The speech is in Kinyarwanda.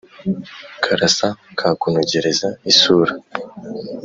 karasa kakunogereza isura